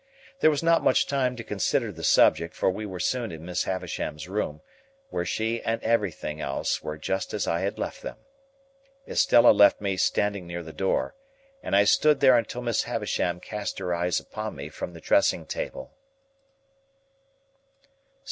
There was not much time to consider the subject, for we were soon in Miss Havisham's room, where she and everything else were just as I had left them. Estella left me standing near the door, and I stood there until Miss Havisham cast her eyes upon me from the dressing table.